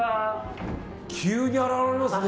急に現れますね。